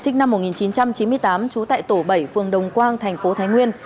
phạm thanh hải sinh năm một nghìn chín trăm chín mươi tám trú tại tổ bảy phương đồng quang tp thái nguyên